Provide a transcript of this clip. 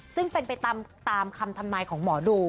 ซึ่งเป็นไปตามคำทำนายของหมอดู